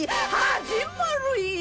始まるよ！